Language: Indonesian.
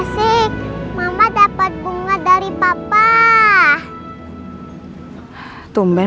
sama sama bu bos